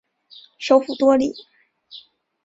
首府多里。